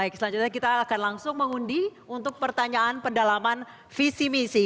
baik selanjutnya kita akan langsung mengundi untuk pertanyaan pendalaman visi misi